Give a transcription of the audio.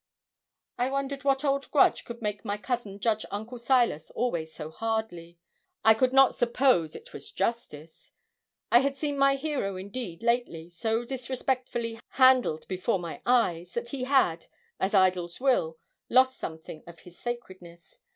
I wondered what old grudge could make my cousin judge Uncle Silas always so hardly I could not suppose it was justice. I had seen my hero indeed lately so disrespectfully handled before my eyes, that he had, as idols will, lost something of his sacredness.